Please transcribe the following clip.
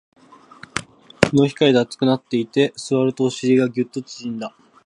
日の光で熱くなっていて、座るとお尻がギュッと縮んだ